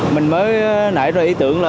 mình mới nảy ra ý tưởng